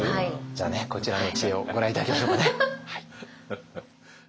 じゃあこちらの知恵をご覧頂きましょうかね。